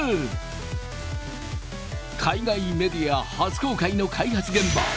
海外メディア初公開の開発現場。